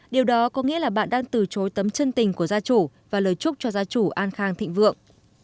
điều đó có nghĩa là bạn đang từ chối tấm chân tình của gia chủ và lời chúc cho gia chủ an khang thịnh vượng